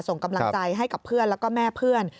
ส่งกำลังใจให้กับเพื่อนแล้วก็แม่เพื่อน